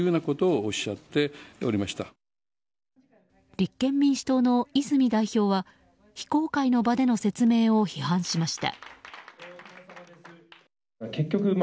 立憲民主党の泉代表は非公開の場での説明を批判しました。